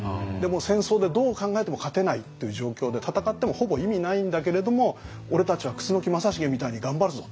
戦争でどう考えても勝てないっていう状況で戦ってもほぼ意味ないんだけれども俺たちは楠木正成みたいに頑張るぞと。